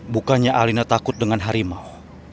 bukannya alina takut dengan harimau